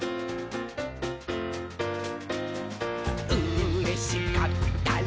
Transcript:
「うれしかったら」